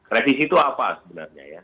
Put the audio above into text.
revisi itu apa sebenarnya